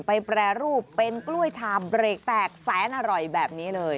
แปรรูปเป็นกล้วยชามเบรกแตกแสนอร่อยแบบนี้เลย